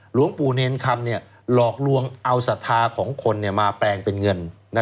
หลวงปู่เนรคำหลอกลวงเอาศรัทธาของคนมาแปลงเป็นเงิน